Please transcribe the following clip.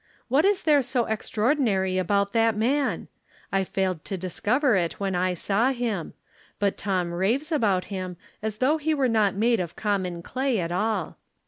What is there so extraordinary about that man ? I failed to discover it when I saw him ; but Tom raves about him as though he were not made of common clay at all.